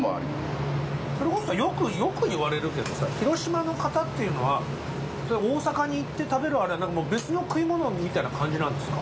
それこそよく言われるけどさ広島の方っていうのは大阪に行って食べる「アレ」は別の食い物みたいな感じなんですか？